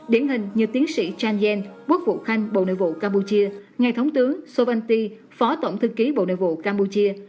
điển hình như tiến sĩ changen quốc vụ khanh bộ nội vụ campuchia ngài thống tướng sovanti phó tổng thư ký bộ nội vụ campuchia